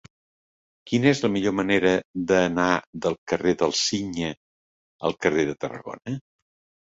Quina és la millor manera d'anar del carrer del Cigne al carrer de Tarragona?